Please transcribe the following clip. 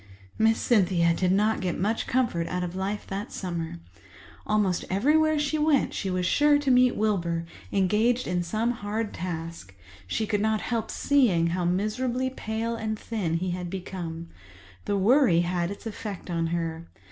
Miss Cynthia did not get much comfort out of life that summer. Almost everywhere she went she was sure to meet Wilbur, engaged in some hard task. She could not help seeing how miserably pale and thin he had become. The worry had its effect on her.